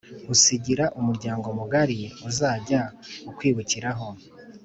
usigira umuryango mugari uzajya ukwibukiraho